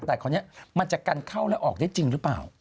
แต่คราวนี้มันจะกันเข้าและออกได้จริงหรือเปล่า